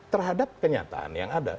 terhadap kenyataan yang ada